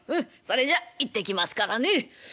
それじゃ行ってきますからね。